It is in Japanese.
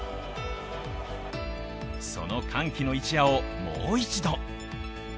その歓喜の一夜をもう一度。